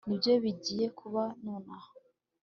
Nibyo bigiye kuba nonaha